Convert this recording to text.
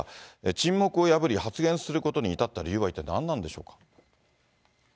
沈黙を破り発言することに至った理由は一体何なんでしょうか。